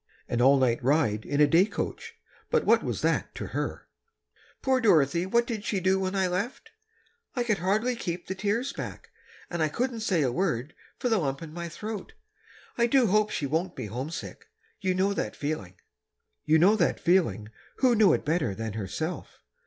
[An all night ride in a day coach, but what was that to her?] Poor Dorothy what did she do when I left? I could hardly keep the tears back, and I couldn't say a word for the lump in my throat.... I do hope she won't be homesick. You know that feeling.... "You know that feeling"—who knew it better than herself?